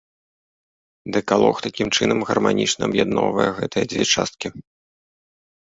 Дэкалог такім чынам гарманічна аб'ядноўвае гэтыя дзве часткі.